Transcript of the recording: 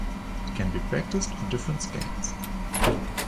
It can be practiced on different scales.